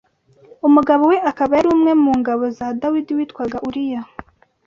umugabo we akaba yari umwe mu ngabo za Dawidi witwaga Uriya